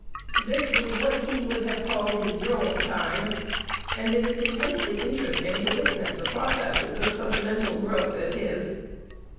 This was what he would have called his "growing time;" and it is intensely interesting to witness the processes of such mental growth as his.